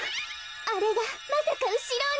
あれがまさかうしろに。